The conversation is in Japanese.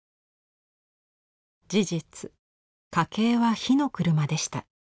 事実家計は火の車でした。